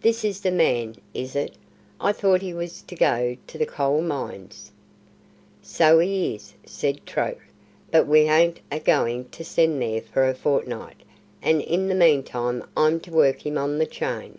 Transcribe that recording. "This is the man, is it? I thought he was to go to the Coal Mines." "So he is," said Troke, "but we hain't a goin' to send there for a fortnit, and in the meantime I'm to work him on the chain."